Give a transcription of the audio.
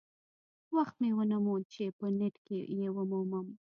وخت مې ونه موند چې په نیټ کې یې ومومم.